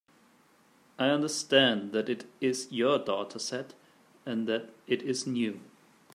I understand that it is your dataset, and that it is new.